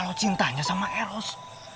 lu cintanya sama eros